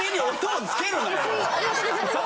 ありがとうございます